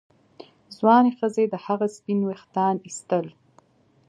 ځوانې ښځې د هغه سپین ویښتان ایستل.